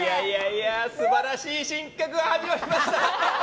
素晴らしい新企画が始まりました！